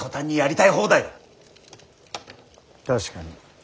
確かに。